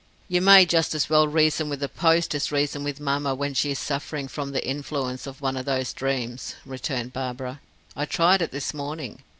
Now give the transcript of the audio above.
"You may just as well reason with a post as reason with mamma when she is suffering from the influence of one of those dreams," returned Barbara. "I tried it this morning.